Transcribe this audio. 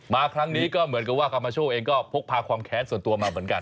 มาครั้งนี้ก็เหมือนกับว่ากรรมโชคเองก็พกพาความแค้นส่วนตัวมาเหมือนกัน